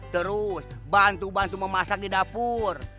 terus bantu bantu memasak di dapur